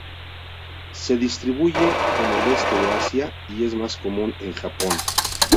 Se distribuye en el este de Asia, y es más común en Japón.